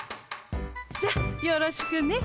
じゃあよろしくね。